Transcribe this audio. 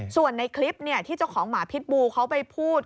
ส่วนในคลิปที่เจ้าของหมาพิษบูเขาไปพูด